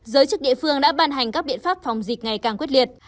giới chức địa phương đã ban hành các biện pháp phòng dịch ngày càng quyết liệt